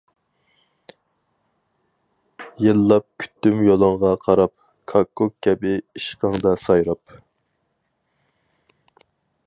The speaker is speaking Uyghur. يىللاپ كۈتتۈم يولۇڭغا قاراپ، كاككۇك كەبى ئىشقىڭدا سايراپ.